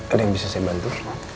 ada yang bisa saya bantu